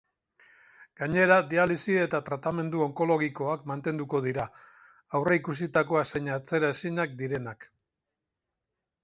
Gainera, dialisi eta tratamendu onkologikoak mantenduko dira, aurreikusitakoak zein atzeraezinak direnak.